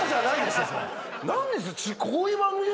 何ですか？